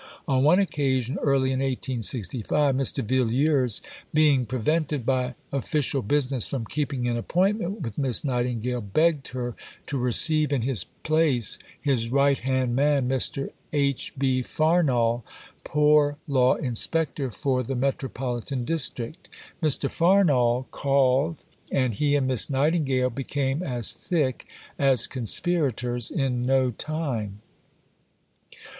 On one occasion early in 1865 Mr. Villiers, being prevented by official business from keeping an appointment with Miss Nightingale, begged her to receive in his place his right hand man, Mr. H. B. Farnall, Poor Law Inspector for the Metropolitan district. Mr. Farnall called, and he and Miss Nightingale became as thick as conspirators in no time.